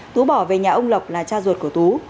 tú bỏ về nhà ông lộc là cha ruột của tú